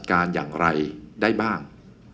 การอย่างไรได้บ้าง